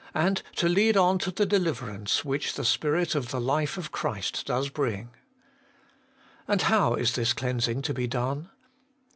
and to lead on to the deliverance which the Spirit of the life of Christ does bring. And how is this cleansing to be done